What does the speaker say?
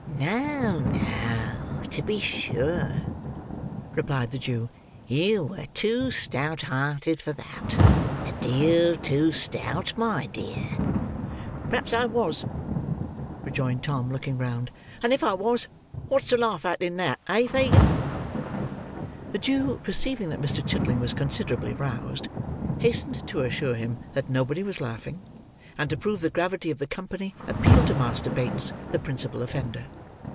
"No, no, to be sure," replied the Jew; "you were too stout hearted for that. A deal too stout, my dear!" "Perhaps I was," rejoined Tom, looking round; "and if I was, what's to laugh at, in that; eh, Fagin?" The Jew, perceiving that Mr. Chitling was considerably roused, hastened to assure him that nobody was laughing; and to prove the gravity of the company, appealed to Master Bates, the principal offender.